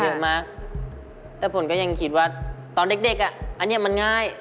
เยอะมากแต่ผลก็ยังคิดว่าตอนเด็กเด็กอ่ะอันนี้มันง่าย